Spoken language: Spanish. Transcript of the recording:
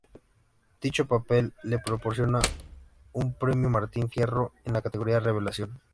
Dicho papel le proporciona un premio Martín Fierro en la categoría "revelación".